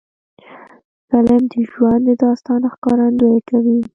فلم د ژوند د داستان ښکارندویي کوي